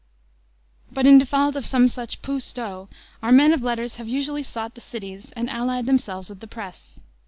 But in default of some such pou sto our men of letters have usually sought the cities and allied themselves with the press.